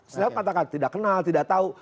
setianow panto katakan tidak kenal tidak tahu